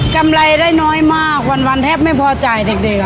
ำไรได้น้อยมากวันแทบไม่พอจ่ายเด็ก